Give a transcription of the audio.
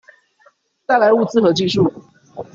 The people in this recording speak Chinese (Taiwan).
帶來物資和技術